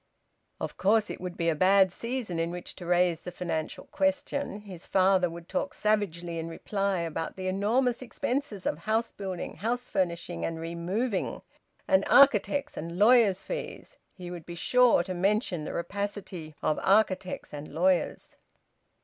Of course it would be a bad season in which to raise the financial question. His father would talk savagely in reply about the enormous expenses of house building, house furnishing, and removing, and architects' and lawyers' fees; he would be sure to mention the rapacity of architects and lawyers.